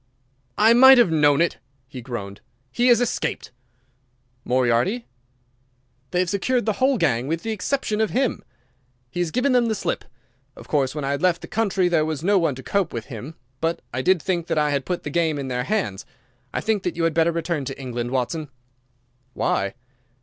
"I might have known it!" he groaned. "He has escaped!" "Moriarty?" "They have secured the whole gang with the exception of him. He has given them the slip. Of course, when I had left the country there was no one to cope with him. But I did think that I had put the game in their hands. I think that you had better return to England, Watson." "Why?"